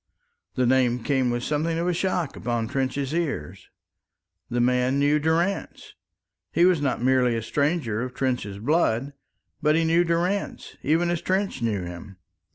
The name came with something of a shock upon Trench's ears. This man knew Durrance! He was not merely a stranger of Trench's blood, but he knew Durrance even as Trench knew him.